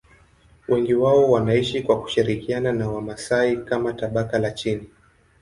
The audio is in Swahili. Wengi wao wanaishi kwa kushirikiana na Wamasai kama tabaka la chini.